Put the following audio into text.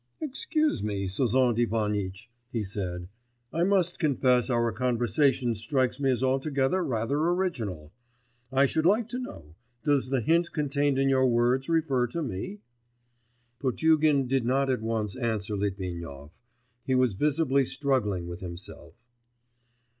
'Excuse me, Sozont Ivanitch,' he said, 'I must confess our conversation strikes me as altogether rather original.... I should like to know, does the hint contained in your words refer to me?' Potugin did not at once answer Litvinov; he was visibly struggling with himself.